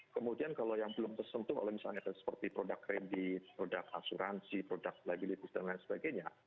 kemudian kalau yang belum tersentuh oleh misalnya seperti produk kredit produk asuransi produk liability dan lain sebagainya